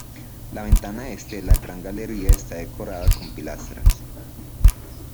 La ventana este de la gran galería está decorada con pilastras.